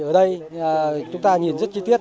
ở đây chúng ta nhìn rất chi tiết